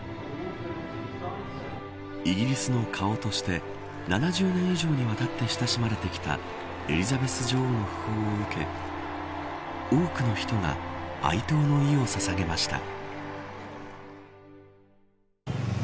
イギリスの顔として７０年以上にわたって親しまれてきたエリザベス女王の訃報を受け多くの人が哀悼の意をささげました。